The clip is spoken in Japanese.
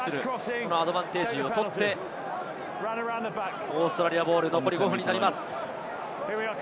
このアドバンテージを取ってオーストラリアボール、残り５分になります。